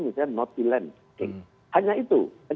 mereka mengatakan ada alasan alasan misalnya not to land